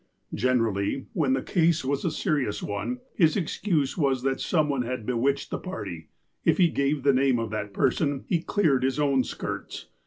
Generally, when the case was a serious one, his excuse was that some one had bewitched the party. If he gave the name of that person, he cleared his own skirts.